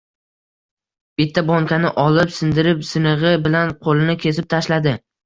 Bitta bonkani olib sindirib, sinig`i bilan qo`lini kesib tashladi